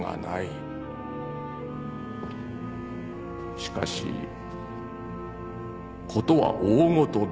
しかし事は大ごとだ。